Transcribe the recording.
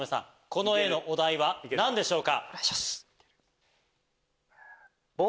この絵のお題は何でしょうか？